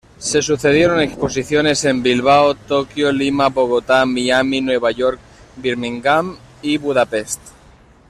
Se sucedieron exposiciones en Bilbao, Tokio, Lima, Bogotá, Miami, Nueva York, Birmingham y Budapest.